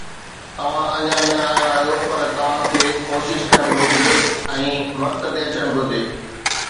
توهان اڃا نه آيا آهيو، پر توهان کي ڪوشش ڪرڻ گهرجي ۽ وقت تي اچڻ گهرجي.